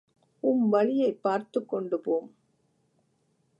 உம் வழியைப் பார்த்துக்கொண்டு போம்.